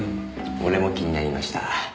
俺も気になりました。